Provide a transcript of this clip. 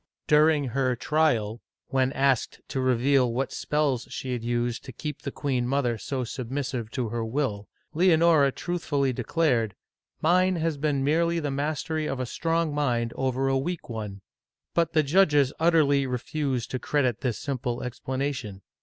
During her trial, when asked to reveal what spells she had used to keep the queen mother so submissive to her will, Leonora truthfully declared, " Mine has been merely the mastery of a strong mind over a weak one.'* But the judges utterly refused to credit this simple explanation.